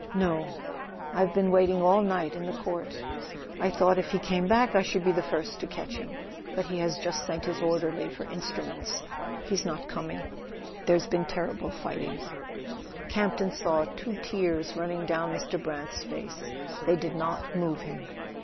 "No—I've been waiting all night in the court. I thought if he came back I should be the first to catch him. But he has just sent his orderly for instruments; he's not coming. There's been terrible fighting " Campton saw two tears running down Mr. Brant's face: they did not move him.